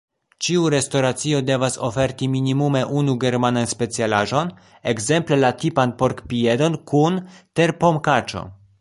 Ĉiu restoracio devas oferti minimume unu germanan specialaĵon, ekzemple la tipan porkpiedon kun terpomkaĉo.